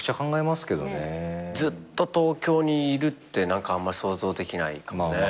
ずっと東京にいるって何か想像できないかもね